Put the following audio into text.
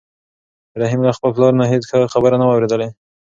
رحیم له خپل پلار نه هېڅ ښه خبره نه وه اورېدلې.